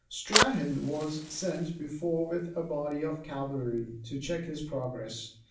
Strahan was sent before with a body of cavalry to check his progress.